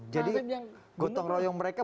jadi gotong royong mereka